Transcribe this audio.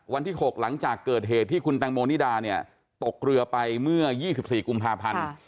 วันที่๖หลังจากเกิดเหตุที่คุณแตงโมนิดาเนี่ยตกเรือไปเมื่อ๒๔กุมภาพันธ์